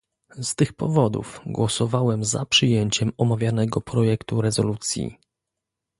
Z tych powodów głosowałem za przyjęciem omawianego projektu rezolucji